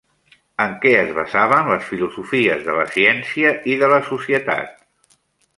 En què es basaven les filosofies de la ciència i de la societat?